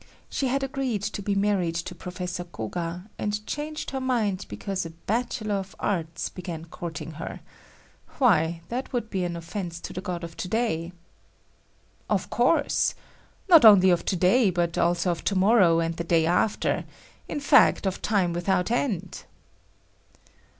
She had agreed to be married to Professor Koga and changed her mind because a Bachelor of Arts began courting her,—why, that would be an offense to the God of To day." "Of course. Not only of To day but also of tomorrow and the day after; in fact, of time without end."